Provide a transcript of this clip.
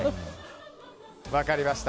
分かりました。